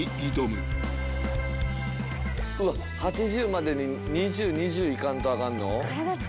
８０までに２０２０行かんとあかんの？